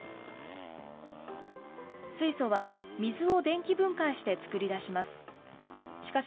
水素は水を電気分解して作り出します。